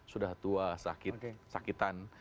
sudah tua sakitan